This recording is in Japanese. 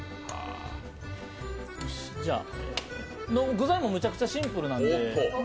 具材もめちゃくちゃシンプルなんで。